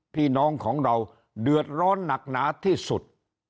พี่น้องของเราเดือดร้อนหนักหนาที่สุด